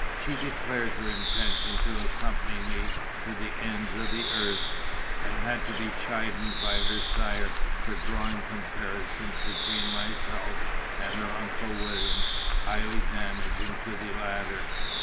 She declared her intention to accompany me to the ends of the earth; and had to be chidden by her sire for drawing comparisons between myself and her uncle William, highly damaging to the latter.